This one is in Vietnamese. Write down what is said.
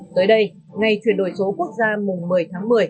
tới đây ngày chuyển đổi số quốc gia mùng một mươi tháng một mươi